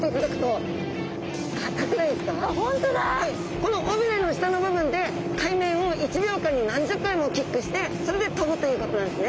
この尾びれの下の部分で海面を１秒間に何十回もキックしてそれで飛ぶということなんですね。